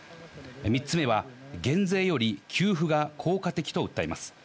３つ目は減税より給付が効果的と訴えます。